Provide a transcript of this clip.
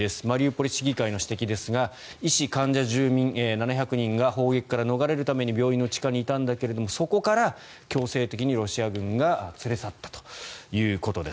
マリウポリ市議会の指摘ですが医師、患者、住民７００人が砲撃から逃れるために病院の地下にいたんだけれどそこから強制的にロシア軍が連れ去ったという。